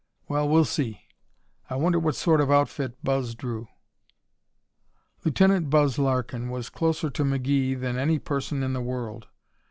Well, we'll see. I wonder what sort of outfit Buzz drew." Lieutenant "Buzz" Larkin was closer to McGee than any person in the world.